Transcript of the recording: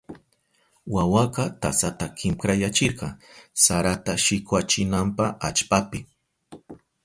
Wawaka tasata kinkrayachirka sarata shikwachinanpa allpapi.